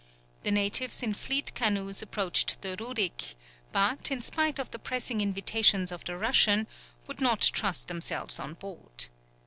The natives in fleet canoes approached the Rurik, but, in spite of the pressing invitation of the Russians, would not trust themselves on board.